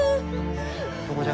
そこじゃ。